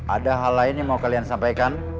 ada hal lain yang mau kalian sampaikan